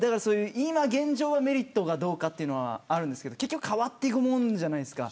現状はメリットがどうかというのはあるんですが結局、変わっていくものじゃないですか。